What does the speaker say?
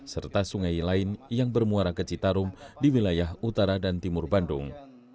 serta sungai lain yang bermuara ke citarum di wilayah utara dan timur bandung